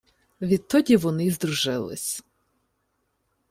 Відтоді вони й здружились.